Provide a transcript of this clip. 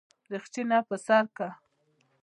رخچينه پر سر که.